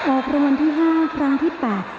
ออกระวังที่๕ครั้งที่๘๑๐